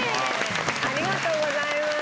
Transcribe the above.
ありがとうございます。